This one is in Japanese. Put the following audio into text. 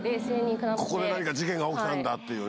ここで何か事件が起きたんだっていうね。